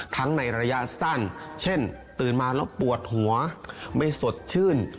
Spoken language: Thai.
ในระยะสั้นเช่นตื่นมาแล้วปวดหัวไม่สดชื่น